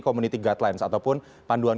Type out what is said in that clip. community guidelines ataupun panduan